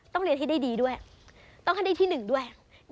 ต้องเรียนให้ได้ดีต้องให้ได้ได้ที่๑ด้วย